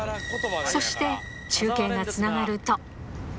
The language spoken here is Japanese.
そして中継がつながると。